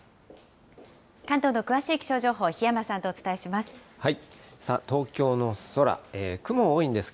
関東の詳しい気象情報、檜山さんとお伝えします。